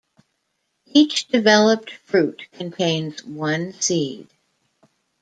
Each developed fruit contains one seed.